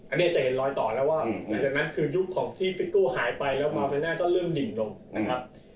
อันนี้จะเห็นรอยต่อแล้วว่าหลังจากนั้นคือยุคของที่ฟิกตู้หายไปแล้วมาเฟน่าก็เริ่มดิ่งลงนะครับ